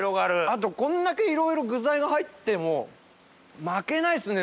あとこんだけいろいろ具材が入っても負けないっすね